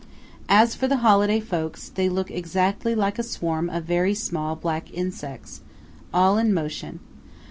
As for the holiday folks, they look exactly like a swarm of very small black insects, all in motion.